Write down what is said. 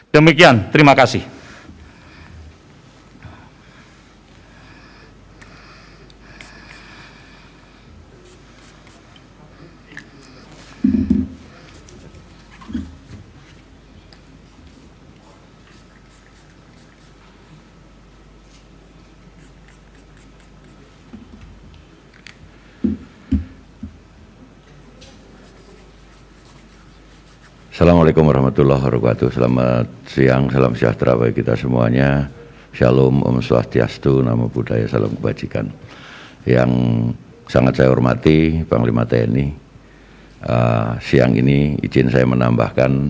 demikian terima kasih